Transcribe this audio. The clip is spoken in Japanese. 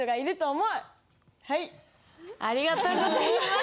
ありがとうございます。